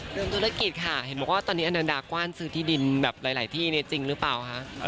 เรื่องธุรกิจค่ะเห็นบอกว่าตอนนี้อนันดากว้านซื้อที่ดินแบบหลายที่เนี่ยจริงหรือเปล่าคะ